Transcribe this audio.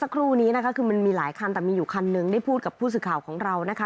สักครู่นี้นะคะคือมันมีหลายคันแต่มีอยู่คันหนึ่งได้พูดกับผู้สื่อข่าวของเรานะคะ